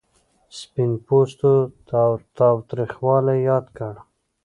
سپین پوستو تاوتریخوالی یاد کړ.